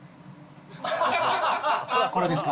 これですか？